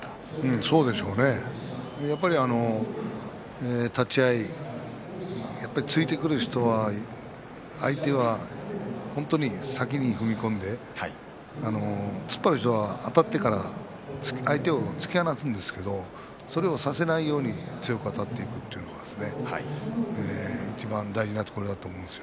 そうでしょうねやっぱり立ち合いついてくる人は本当に先に踏み込んで突っ張る人はあたってから相手を突き放すんですけどそれをさせないように強くあたっていくというのはいちばん大事なところだと思うんですよ。